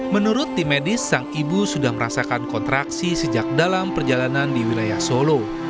menurut tim medis sang ibu sudah merasakan kontraksi sejak dalam perjalanan di wilayah solo